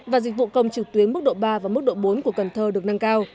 và dịch vụ công trực tuyến mức độ ba và mức độ bốn của cần thơ được nâng cao